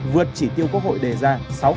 vượt chỉ tiêu quốc hội đề ra